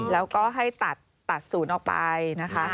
แล้วก็ให้ตัดศูนย์ออกไปนะคะ